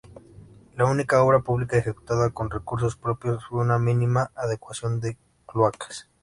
La única obra pública ejecutada con recursos propios fue una mínima adecuación de cloacas.